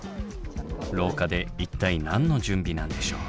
廊下で一体何の準備なんでしょう？